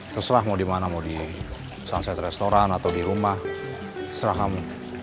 terserah mau di mana mau di sunset restaurant atau di rumah terserah kamu